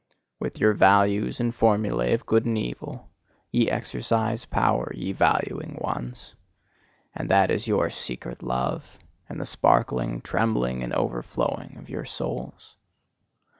With your values and formulae of good and evil, ye exercise power, ye valuing ones: and that is your secret love, and the sparkling, trembling, and overflowing of your souls.